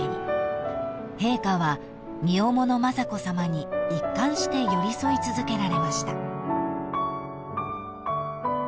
［陛下は身重の雅子さまに一貫して寄り添い続けられました］